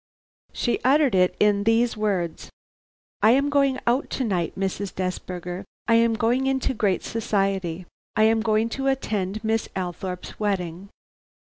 She uttered it in these words: 'I am going out to night, Mrs. Desberger. I am going into great society. I am going to attend Miss Althorpe's wedding.'